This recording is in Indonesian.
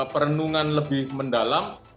penuh dengan lebih mendalam